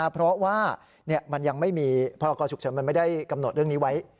เพราะว่ามันยังไม่มีพรกรฉุกเฉินมันไม่ได้กำหนดเรื่องนี้ไว้